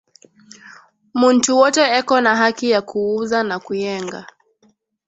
Muntu wote eko na haki ya ku uza na kuyenga